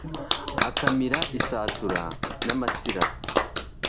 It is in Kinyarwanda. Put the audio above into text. Akamira isatura namasirabo